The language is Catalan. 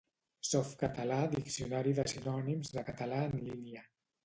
Softcatalà Diccionari de sinònims de català en línia